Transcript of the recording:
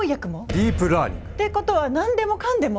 ディープラーニング！っていうことは何でもかんでも？